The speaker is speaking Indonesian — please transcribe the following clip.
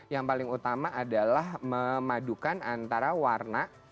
yang paling utama adalah memadukan antara warna